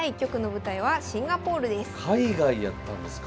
海外でやったんですか？